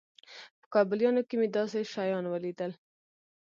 په کابليانو کښې مې داسې شيان وليدل.